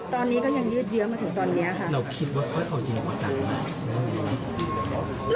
ตอนนี้ก็ยังยืดเยื้อมาถึงตอนนี้ค่ะ